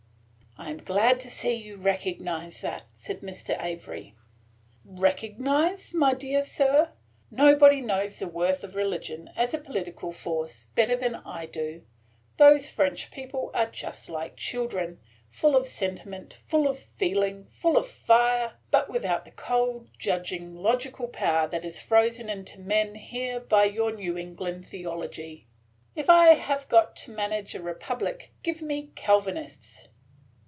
"I am glad to see you recognize that," said Mr. Avery. "Recognize, my dear sir! Nobody knows the worth of religion as a political force better than I do. Those French people are just like children, – full of sentiment, full of feeling, full of fire, but without the cold, judging, logical power that is frozen into men here by your New England theology. If I have got to manage a republic, give me Calvinists."